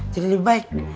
jadi lebih baik